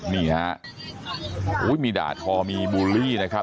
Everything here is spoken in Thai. นี่ฮะมีด่าทอมีบูลลี่นะครับ